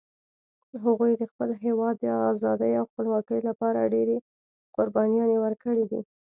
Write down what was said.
هغوی د خپل هیواد د آزادۍ او خپلواکۍ لپاره ډېري قربانيان ورکړي دي